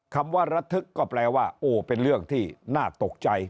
คำว่าระทึกก็แปลว่าโอ้เป็นเรื่องที่น่าตกใจ